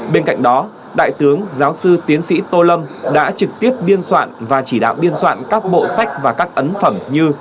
bên cạnh đó đại tướng giáo sư tiến sĩ tô lâm đã trực tiếp biên soạn và chỉ đạo biên soạn các bộ sách và các ấn phẩm như